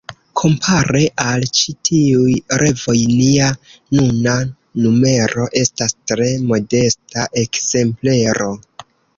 Kompare al ĉi tiuj revoj nia nuna numero estas tre modesta ekzemplero.